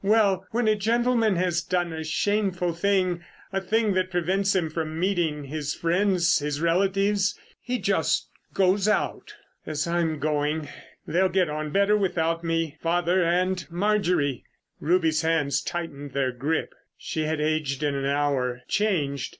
Well, when a gentleman has done a shameful thing, a thing that prevents him from meeting his friends, his relatives, he just goes out ... as I'm going.... They'll get on better without me, father and Marjorie." Ruby's hands tightened their grip. She had aged in an hour; changed.